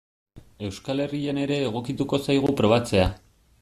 Euskal Herrian ere egokituko zaigu probatzea.